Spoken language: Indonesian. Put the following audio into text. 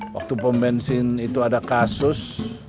waktu pembensin itu ada kasus